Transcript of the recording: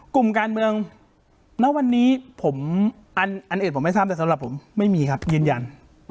กลุ่มการเมืองณวันนี้ผมอันอื่นผมไม่ทราบแต่สำหรับผมไม่มีครับยืนยัน